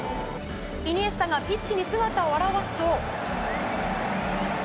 イニエスタがピッチに姿を現すと。